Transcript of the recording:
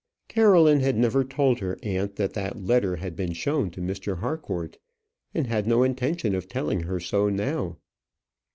Caroline had never told her aunt that that letter had been shown to Mr. Harcourt, and had no intention of telling her so now.